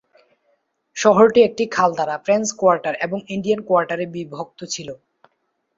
শহরটি একটি খাল দ্বারা ফ্রেঞ্চ কোয়ার্টার এবং ইন্ডিয়ান কোয়ার্টারে বিভক্ত ছিল।